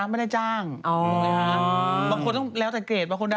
บางพวกดาราคือ